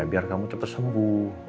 biar kamu cepat sembuh